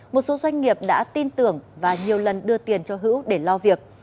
một số doanh nghiệp đã tin tưởng và nhiều lần đưa tiền cho hữu để lo việc